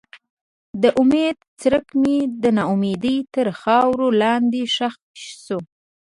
د امید څرک مې د ناامیدۍ تر خاورو لاندې ښخ شو.